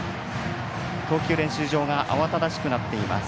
投球練習場が慌ただしくなっています。